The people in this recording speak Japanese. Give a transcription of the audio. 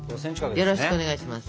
よろしくお願いします。